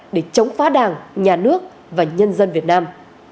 để chống phá đảng nhà nước và nhân dân việt nam